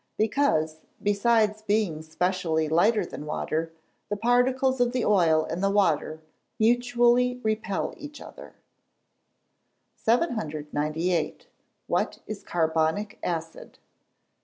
_ Because, besides being specially lighter than water, the particles of the oil and the water mutually repel each other. 798. _What is carbonic acid?